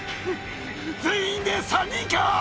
全員で３人か？